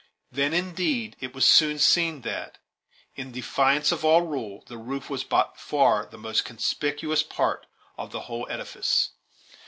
Then, indeed, it was soon seen that, in defiance of all rule, the roof was by far the most conspicuous part of the whole edifice.